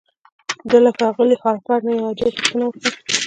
ده له ښاغلي هارپر نه يوه عجيبه پوښتنه وکړه.